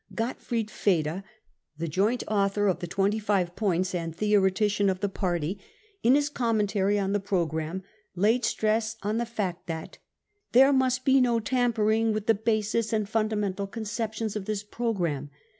Gottfried Feder, the joint author of the 25 points and theoretician of the party, in his commentary on the pro gramme laid stress on the fact that :«•" There must be no tampering with the basis and funda mental conceptions of this programme.